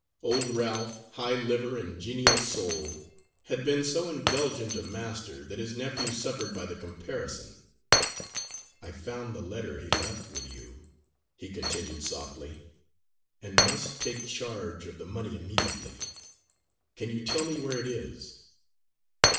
Old Ralph, high liver and genial soul, had been so indulgent a master, that his nephew suffered by the comparison. "I found the letter he left with you," he continued softly, "and must take charge of the money immediately. Can you tell me where it is?"